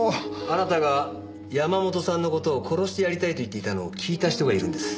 あなたが山本さんの事を殺してやりたいと言っていたのを聞いた人がいるんです。